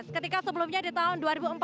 ketika sebelumnya di tahun dua ribu empat belas